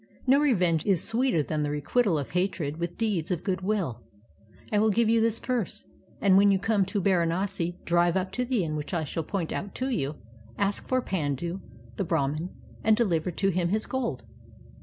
No revenge is sweeter than the requital of hatred with deeds of good will. I will give you this purse, and when you come to Baranasi drive up to the inn which I shall point out to you ; ask for 47 INDIA Pandu. the Brahman, and deliver to him his gold.